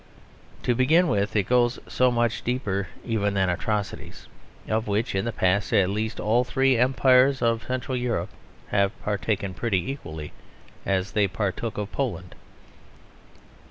To begin with, it goes so much deeper even than atrocities; of which, in the past at least, all the three Empires of Central Europe have partaken pretty equally, as they partook of Poland.